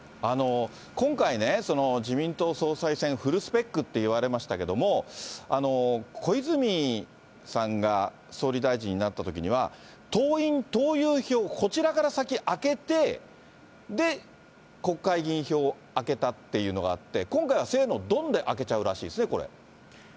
今回、自民党総裁選フルスペックっていわれましたけれども、小泉さんが総理大臣になったときには、党員・党友票、こちらから先開けて、で、国会議員票を開けたっていうのがあって、今回はせーのどんで開けそうですね。